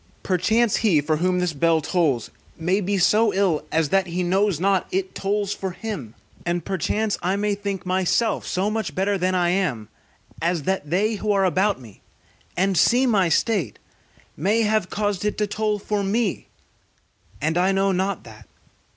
Perchance, he for whom this bell tolls may be so ill, as that he knows not it tolls for him; and perchance I may think myself so much better than I am, as that they who are about me, and see my state, may have caused it to toll for me, and I know not that.